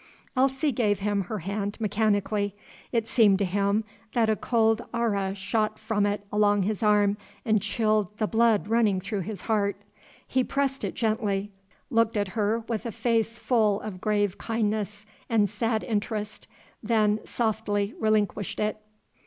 Elsie gave him her hand mechanically. It seemed to him that a cold aura shot from it along his arm and chilled the blood running through his heart. He pressed it gently, looked at her with a face full of grave kindness and sad interest, then softly relinquished it.